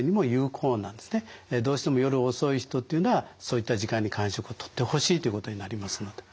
どうしても夜遅い人っていうのはそういった時間に間食をとってほしいということになりますので。